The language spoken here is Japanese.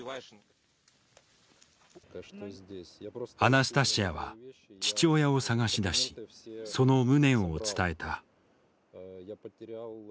アナスタシヤは父親を捜し出しその無念を伝えた。